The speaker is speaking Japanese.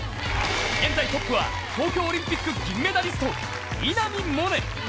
現在トップは、東京オリンピック銀メダリスト、稲見萌寧。